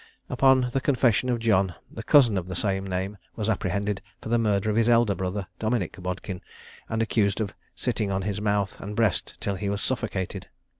Upon the confession of John, the cousin of the same name was apprehended for the murder of his elder brother, Dominick Bodkin, and accused of sitting on his mouth and breast until he was suffocated.